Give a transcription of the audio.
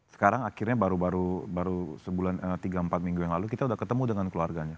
sekarang akhirnya baru baru tiga empat minggu yang lalu kita sudah ketemu dengan keluarganya